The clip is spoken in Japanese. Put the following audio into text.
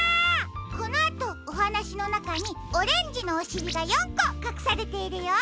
このあとおはなしのなかにオレンジのおしりが４こかくされているよ。